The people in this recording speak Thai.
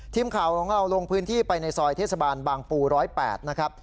ทีมข่าวของเราลงพื้นที่ไปในซอยเทศบาลบางปู๑๐๘นะครับ